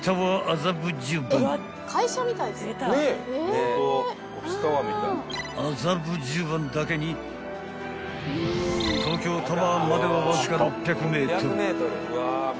［麻布十番だけに東京タワーまではわずか６００ｍ］